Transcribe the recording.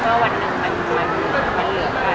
เพราะว่าเมื่อวันหนึ่งมันเหลือกัน